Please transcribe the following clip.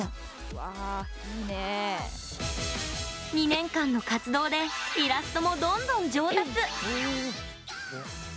２年間の活動でイラストも、どんどん上達！